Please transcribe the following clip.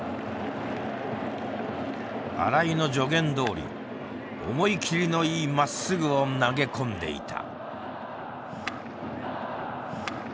新井の助言どおり思い切りのいいまっすぐを投げ込んでいた。